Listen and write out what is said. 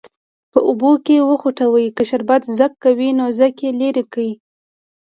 په اوبو کې وخوټوئ که شربت ځګ کوي نو ځګ یې لرې کړئ.